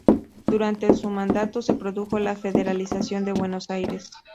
Durante su mandato se produjo la federalización de Buenos Aires.